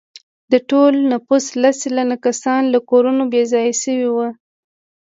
د ټول نفوس لس سلنه کسان له کورونو بې ځایه شوي وو.